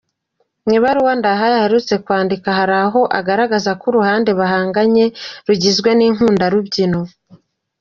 Mu ibaruwa Ndahayo aheruka kwandika, hari aho agaragaraza ko uruhande bahanganye rugizwe n’inkundarubyino.